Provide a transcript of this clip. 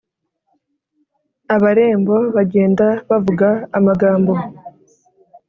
Abarembo bagenda bavug amagambo